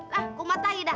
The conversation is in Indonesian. hah kumatahi dah